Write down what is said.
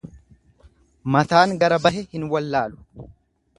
Mataan gara bahe hin wallaalu.